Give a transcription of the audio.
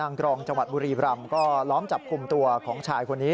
กรองจังหวัดบุรีรำก็ล้อมจับกลุ่มตัวของชายคนนี้